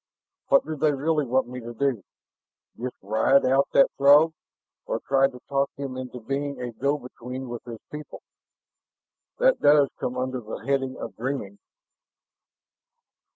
"What do they really want me to do? Just rout out that Throg? Or try to talk him into being a go between with his people? That does come under the heading of dreaming!"